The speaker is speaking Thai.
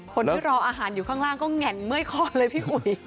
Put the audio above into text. คนที่รออาหารอยู่ข้างล่างก็แห่นเมื่อยคอเลยพี่อุ๋ย